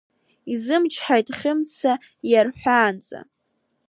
Изымчҳаит Хьымца, иарҳәаанӡа.